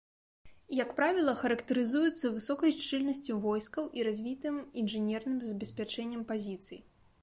Як правіла, характарызуецца высокай шчыльнасцю войскаў і развітым інжынерным забеспячэннем пазіцый.